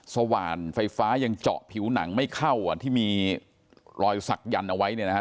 สว่านไฟฟ้ายังเจาะผิวหนังไม่เข้าอ่ะที่มีรอยสักยันต์เอาไว้เนี่ยนะครับ